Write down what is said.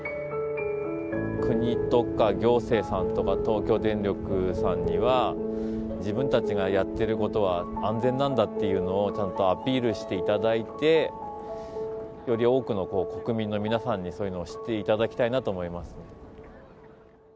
国とか行政さんとか、東京電力さんには、自分たちがやってることは安全なんだっていうのをちゃんとアピールしていただいて、より多くの国民の皆さんにそういうのを知っていただきたいなと思